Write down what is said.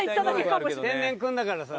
天然君だからさ。